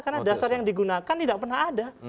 karena dasar yang digunakan tidak pernah ada